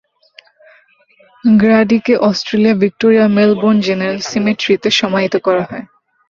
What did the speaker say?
গ্র্যাডিকে অস্ট্রেলিয়ার ভিক্টোরিয়ার Melbourne general সিমেট্রিতে সমাহিত করা হয়।